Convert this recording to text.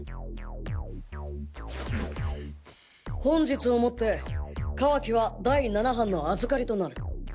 本日をもってカワキは第七班の預かりとなる。